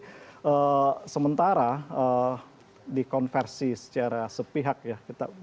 jadi sementara dikonversi secara sepihak ya